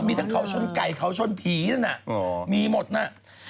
มีทั้งเขาชนไก่เขาชนผีนั่นน่ะมีหมดน่ะ